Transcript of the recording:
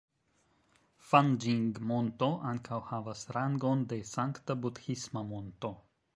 Fanĝing-Monto ankaŭ havas rangon de sankta budhisma monto.